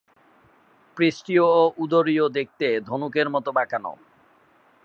পৃষ্ঠীয় ও উদরীয় দেখতে ধনুকের মত বাঁকানো।